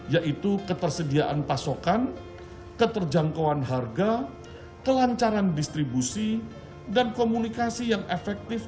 yaitu ketersediaan pasokan keterjangkauan harga kelancaran distribusi dan komunikasi yang efektif